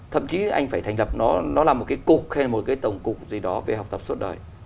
thậm chí anh phải thành lập nó là một cái cục hay là một cái tổng cục gì đó về học tập suốt đời